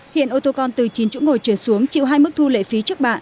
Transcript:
hiện ô tô con từ chín chỗ ngồi trở xuống chịu hai mức thu lệ phí trước bạ